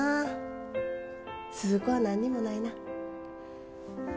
鈴子は何にもないな。